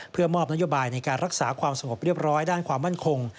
เพื่อมอบนโยบายในการรักษาความสงบเรียบร้อยด้านความมั่นคง